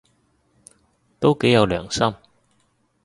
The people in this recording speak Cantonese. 都幾有良心